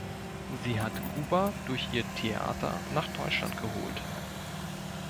Sie hat Kuba durch ihr Theater nach Deutschland geholt.